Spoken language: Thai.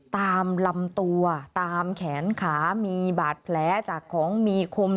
ตามลำตัวตามแขนขามีบาดแผลจากของมีคม